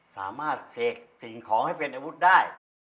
เสกสิ่งของให้เป็นอาวุธได้